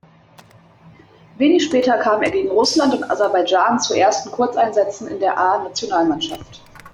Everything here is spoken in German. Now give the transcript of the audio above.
Wenig später kam er gegen Russland und Aserbaidschan zu ersten Kurzeinsätzen in der A-Nationalmannschaft.